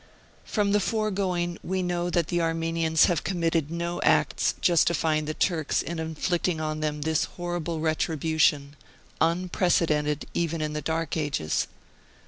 From the foregoing we know that the Armenians have committed no acts justifying the Turks in in flicting on them this horrible retribution, unpre cedented even in the dark ages.